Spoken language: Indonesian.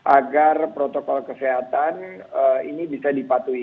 agar protokol kesehatan ini bisa dipatuhi